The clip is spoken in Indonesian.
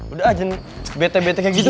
udah aja nih bete bete kayak gitu